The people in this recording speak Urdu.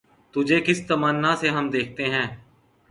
تجھے کس تمنا سے ہم دیکھتے ہیں